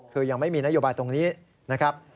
คือยังไม่มีนโยบายตรงนี้นะครับ